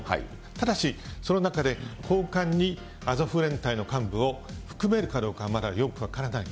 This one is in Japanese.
ただし、その中で交換に、アゾフ連隊の幹部を含めるかどうかは、まだよく分からない。